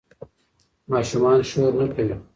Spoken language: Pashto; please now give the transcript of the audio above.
ماشومان شور نه کوي.